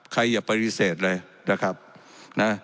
ใครอย่าปฤเศษเลยนะครับนะ